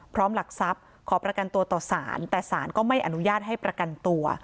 หลักทรัพย์ขอประกันตัวต่อสารแต่สารก็ไม่อนุญาตให้ประกันตัว